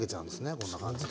こんな感じで。